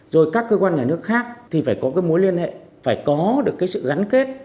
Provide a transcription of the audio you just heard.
rồi các cơ quan nhà nước khác thì phải có cái mối liên hệ phải có được cái sự gắn kết